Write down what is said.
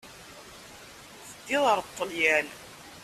Teddiḍ ɣer Ṭṭalyan.